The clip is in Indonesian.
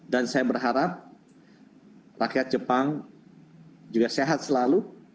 dan saya berharap rakyat jepang juga sehat selalu